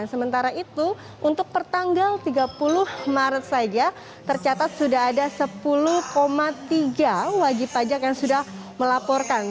sementara itu untuk pertanggal tiga puluh maret saja tercatat sudah ada sepuluh tiga wajib pajak yang sudah melaporkan